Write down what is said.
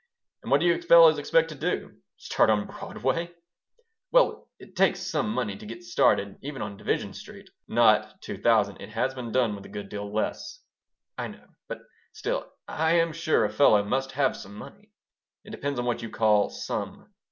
"And what do you fellows expect to do start on Broadway?" "Well, it takes some money to get started even on Division Street." "Not two thousand. It has been done for a good deal less." "I know; but still I am sure a fellow must have some money "It depends on what you call 'some.'"